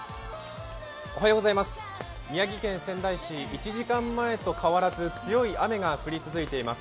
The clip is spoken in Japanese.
宮城県仙台市、１時間前と変わらず強い雨が降り続いています。